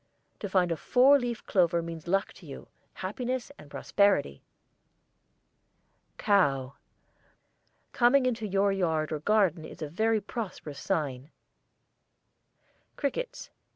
To find a four leaf clover means luck to you, happiness and prosperity. COW. Coming in your yard or garden a very prosperous sign. CRICKETS.